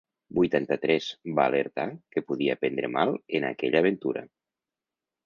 Vuitanta-tres va alertar que podia prendre mal en aquella aventura?